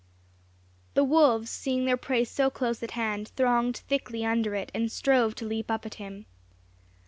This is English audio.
The wolves, seeing their prey so close at hand, thronged thickly under it, and strove to leap up at him.